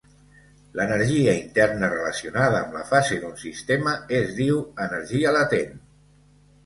L'energia interna relacionada amb la fase d'un sistema es diu energia latent.